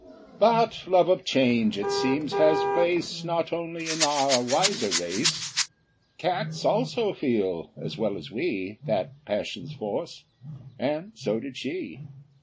But love of change it seems has place Not only in our wiser race; Cats also feel, as well as we, That passion's force, and so did she.